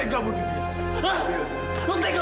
lo tega bunuh kamila